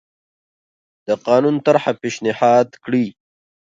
د قانون طرحه پېشنهاد کړي.